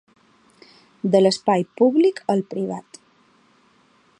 De l’espai públic al privat.